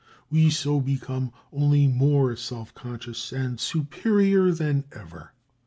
We so become only more self conscious and superior than ever.